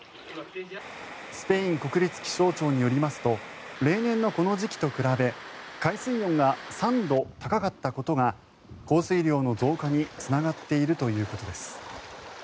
スペイン国立気象庁によりますと例年のこの時期と比べ海水温が３度高かったことが降水量の増加につながっているということです。